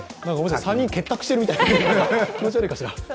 ３人結託しているみたいで気持ち悪いかしら。